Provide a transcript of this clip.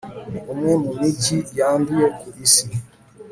ni umwe mu mijyi yanduye ku isi